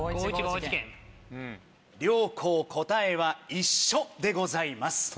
両校答えは一緒でございます。